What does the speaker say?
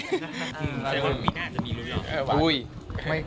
ใครบอกว่ามีหน้าจะมีรูปอีก